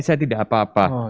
saya tidak apa apa